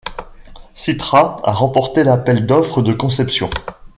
Systra a remporté l'appel d'offres de conception.